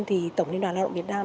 thì tổng liên đoàn lao động việt nam